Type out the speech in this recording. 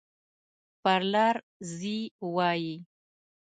پر لار ځي وایي.